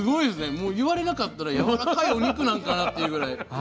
もう言われなかったらやわらかいお肉なのかなっていうぐらい。